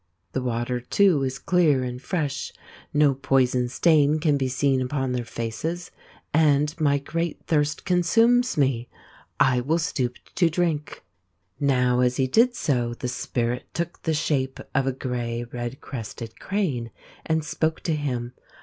The water, too, is clear and fresh, no poison stain cad>be seen upon their faces, and my great thirst consumes me. I will stoop to drink." Now as he did so the Spirit took the shape of a grey red crested crane, and spoke to him.